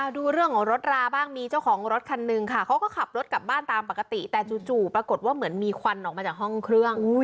ดูเรื่องของรถราบ้างมีเจ้าของรถคันหนึ่งค่ะเขาก็ขับรถกลับบ้านตามปกติแต่จู่ปรากฏว่าเหมือนมีควันออกมาจากห้องเครื่อง